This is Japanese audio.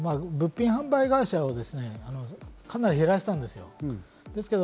物品販売会社をかなり減らしたんです。